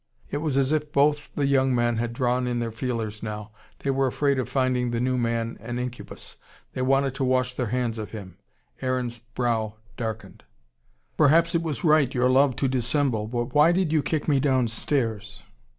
It was as if both the young men had drawn in their feelers now. They were afraid of finding the new man an incubus. They wanted to wash their hands of him. Aaron's brow darkened. "Perhaps it was right your love to dissemble But why did you kick me down stairs?..."